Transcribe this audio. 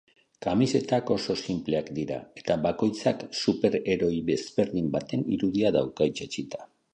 Kamisetak oso sinpleak dira eta bakoitzak super-heroi ezberdin baten irudia dauka itsatsita.